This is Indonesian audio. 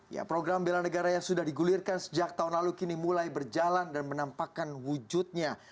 ya program bela negara yang sudah digulirkan sejak tahun lalu kini mulai berjalan dan menampakkan wujudnya